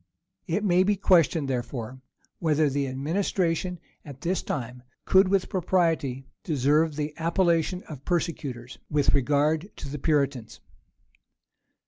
It may be questioned, therefore, whether the administration at this time could with propriety deserve the appellation of persecutors with regard to the Puritans.